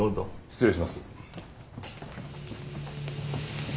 失礼します。